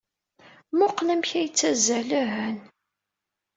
Mmuqqel amek ay ttazzalen!